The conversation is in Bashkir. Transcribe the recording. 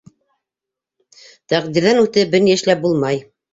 Тәҡдирҙән үтеп, бер ни эшләп булмай.